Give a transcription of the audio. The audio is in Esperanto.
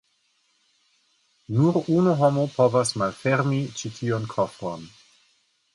Nur unu homo povas malfermi ĉi tiun kofron.